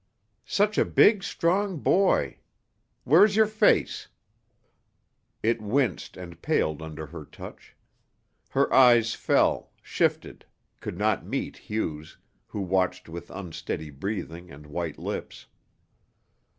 "Such a big, strong boy! Where's your face?" It winced and paled under her touch. His eyes fell, shifted, could not meet Hugh's, who watched with unsteady breathing and white lips.